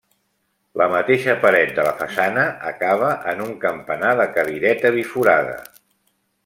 La mateixa paret de la façana acaba en un campanar de cadireta biforada.